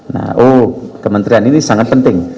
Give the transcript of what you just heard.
nah oh kementerian ini sangat penting